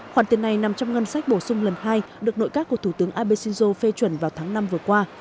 khoản tiền này nằm trong ngân sách bổ sung lần hai được nội các của thủ tướng abe shinzo phê chuẩn vào tháng năm vừa qua